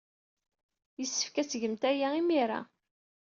Yessefk ad tgemt aya imir-a.